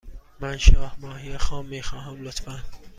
من شاه ماهی خام می خواهم، لطفا.